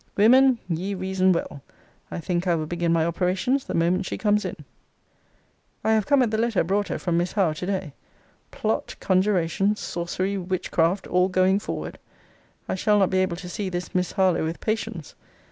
Women, ye reason well. I think I will begin my operations the moment she comes in. I have come at the letter brought her from Miss Howe to day. Plot, conjuration, sorcery, witchcraft, all going forward! I shall not be able to see this Miss Harlowe with patience.